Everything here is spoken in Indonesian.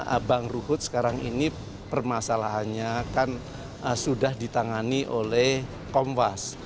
abang ruhut sekarang ini permasalahannya kan sudah ditangani oleh kompas